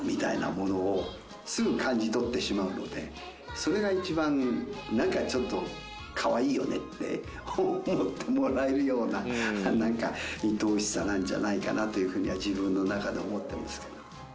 それが一番なんかちょっと可愛いよねって思ってもらえるような愛おしさなんじゃないかなという風には自分の中で思ってますけど。